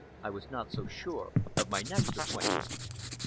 I was not so sure of my next appointment.